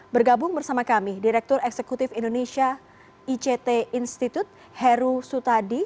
bergabung bersama kami direktur eksekutif indonesia ict institute heru sutadi